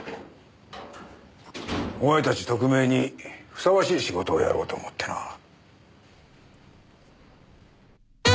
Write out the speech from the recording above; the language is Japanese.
お前たち特命にふさわしい仕事をやろうと思ってな。